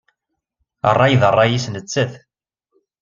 Ṛṛay d ṛṛay-is nettat.